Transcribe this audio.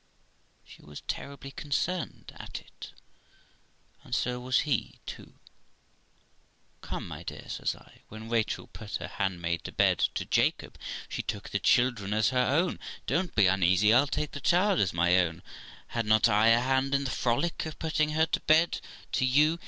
THE LIFE OF ROXANA 221 She was terribly concerned at it, and so was he too. 'Come, my dear', says I, ' when Rachel put her handmaid to bed to Jacob, she took the children as her own. Don't be uneasy; I'll take the child as my own. Had not I a hand in the frolic of putting her to bed to you